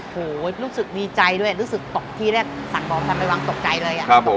พูดดีใจเลยรู้สึกที่แรกสั่งการทำไปวางตกใจเลย